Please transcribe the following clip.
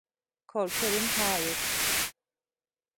Korkarım hayır.